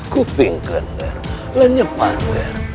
kuping kener lenyepan ter